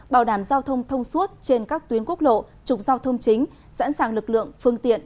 bảo đảm giao thông thông suốt trên các tuyến quốc lộ trục giao thông chính sẵn sàng lực lượng phương tiện